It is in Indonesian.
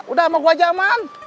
udah sama gue aja aman